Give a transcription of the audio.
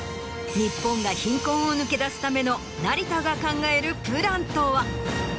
日本が貧困を抜け出すための成田が考えるプランとは。